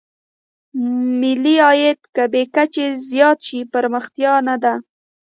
ملي عاید که بې کچې زیات شي پرمختیا نه ده.